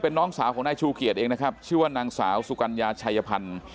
น้องสาวของนายชูเกียจเองนะครับชื่อว่านางสาวสุกัญญาชัยพันธ์